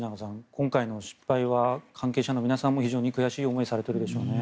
今回の失敗は関係者の皆さんも非常に悔しい思いをされているでしょうね。